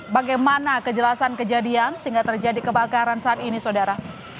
bagaimana kejelasan kejadian sehingga terjadi kebakaran saat ini saudara